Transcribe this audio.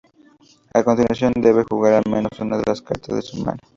A continuación debe jugar al menos una de las cartas de su mano.